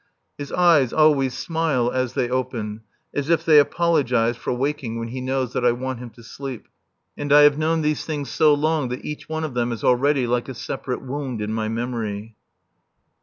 His eyes always smile as they open, as if he apologized for waking when he knows that I want him to sleep. And I have known these things so long that each one of them is already like a separate wound in my memory.